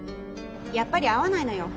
やっぱり合わないのよ。